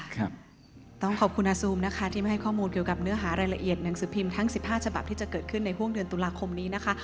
ต้องขอบคุณอาซูมนะคะที่ไม่ให้ข้อมูลเกี่ยวกับเนื้อหารายละเอียดหนังสือพิมพ์ทั้งสิบห้าฉบับที่จะเกิดขึ้นในห่วงเดือนตุลาคมนี้นะคะ